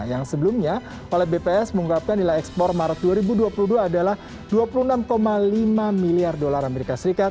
yang sebelumnya oleh bps mengungkapkan nilai ekspor maret dua ribu dua puluh dua adalah dua puluh enam lima miliar dolar as